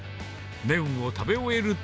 麺を食べ終えると。